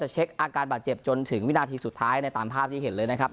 เช็คอาการบาดเจ็บจนถึงวินาทีสุดท้ายในตามภาพที่เห็นเลยนะครับ